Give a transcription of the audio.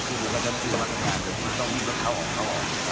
ช่วยก็ทำให้การรับเรียกน้ำแล้วได้ง่ายขึ้นสะดวก